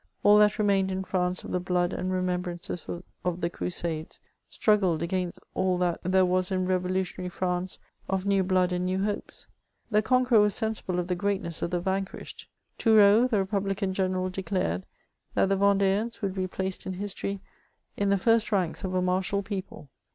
All that remained in France of the blood and remembrances of the crusades, struggled against all that there was in revolution ary France of new blood and new hopes. The conqueror was sensible of the greatness of the vanquished. Thureau, the republican general, declared, " That fiie Vendeans would be placed in history in the first ranks of a martial people."